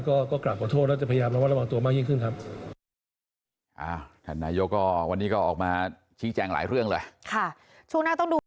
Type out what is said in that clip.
ก็กลับขอโทษแล้วจะพยายามระวัดระวังตัวมากยิ่งขึ้นครับ